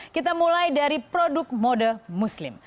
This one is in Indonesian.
kita mulai dari produk mode muslim